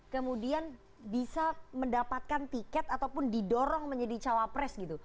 kemudian bisa mendapatkan tiket ataupun didorong menjadi cawapres gitu